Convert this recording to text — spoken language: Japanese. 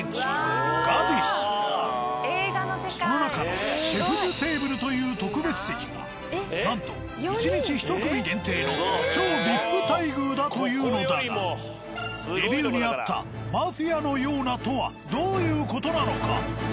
その中のシェフズテーブルという特別席がなんと１日１組限定の超ＶＩＰ待遇だというのだがレビューにあった「マフィアのような」とはどういう事なのか。